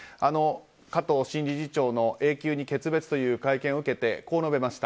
加藤新理事長の永久に決別という会見を受けて、こう述べました。